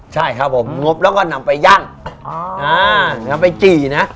ใช่ครับครับงบแล้วก็นำไปยั่งนำไปจี่นะ